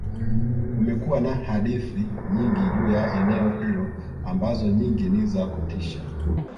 kumekuwa na hadithi nyingi juu ya eneo hilo ambazo nyingi ni za kutisha